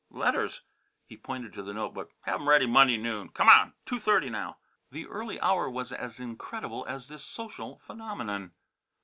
"Letters!" He pointed to the note book. "Have 'em ready Monday noon. C'mon! Two thirty now." The early hour was as incredible as this social phenomenon.